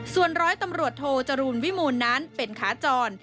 ส่วนร้อยตำรวจโทจรูลวิมูลนั้นเป็นขาจร